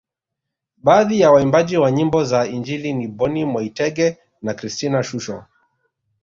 Baadhi ya waimbaji wa nyimbo za injili ni Boni Mwaitege na Christina Shusho